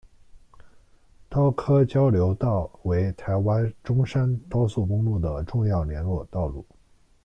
高科交流道为台湾中山高速公路的重要联络道路。